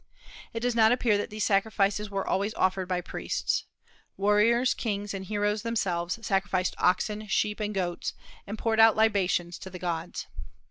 It does not appear that these sacrifices were always offered by priests. Warriors, kings, and heroes themselves sacrificed oxen, sheep, and goats, and poured out libations to the gods.